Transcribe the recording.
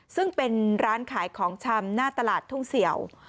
ซึ่งเป็นร้านขายของชำหน้าตลาดทุ่งเสี่ยว